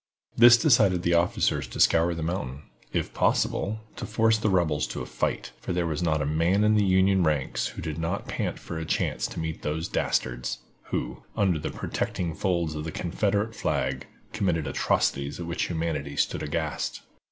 This decided the officers to scour the mountain, if possible, to force the rebels to a fight, for there was not a man in the Union ranks who did not pant for a chance to meet those dastards, who, under the protecting folds of the Confederate flag, committed atrocities at which humanity stood aghast.